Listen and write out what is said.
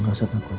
gak usah takut